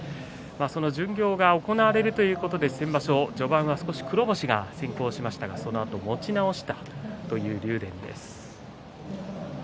その巡業が行われるということで先場所は序盤は少し黒星が先行しましたがそのあと持ち直したという竜電です。